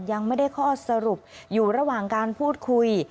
ยังไม่ได้ข้อสรุปอยู่ระหว่างการพูดคุย